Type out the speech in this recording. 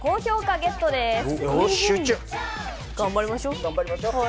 頑張りましょう。